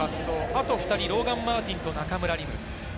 あと２人、ローガン・マーティンと中村輪夢。